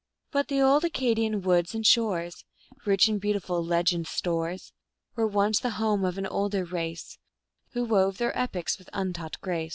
v. But the old Acadian woods and shores, Rich in beautiful legend stores, Were once the home of an older race, W T ho wove their epics with untaught grace.